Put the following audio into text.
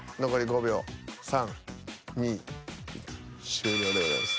終了でございます。